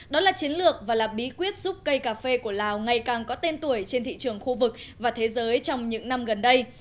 đó là chiến lược và là bí quyết giúp cây cà phê của lào ngày càng có tên tuổi trên thị trường khu vực và thế giới trong những năm gần đây